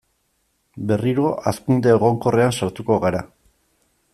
Berriro hazkunde egonkorrean sartuko gara.